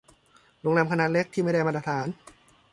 โรงแรมขนาดเล็กที่ไม่ได้มาตรฐาน